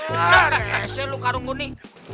nggak kece lo karung goni